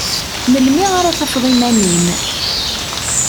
Melmi ara tafeḍ iman-im?